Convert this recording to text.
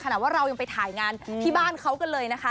ว่าเรายังไปถ่ายงานที่บ้านเขากันเลยนะคะ